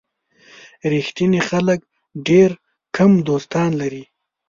ریښتیني خلک ډېر کم دوستان لري.